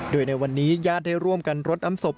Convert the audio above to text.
โดยในวันนี้ญาติได้ร่วมกันรดอำศพ